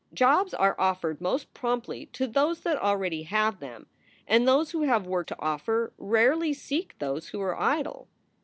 Jobs are offered most promptly to those that already have them, and those who have work to offer rarely seek those who are idle.